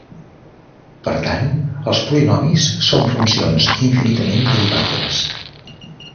Per tant, els polinomis són funcions infinitament derivables.